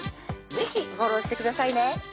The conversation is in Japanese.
是非フォローしてくださいね